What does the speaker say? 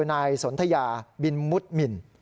นายสนทยาบินมุดหมิน